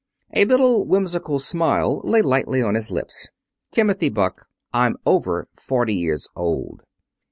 '"] A little whimsical smile lay lightly on his lips. "Timothy Buck, I'm over forty years old."